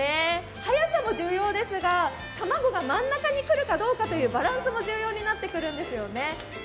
速さも重要ですが、卵が真ん中にくるかどうかというバランスも重要になってくるんですよね。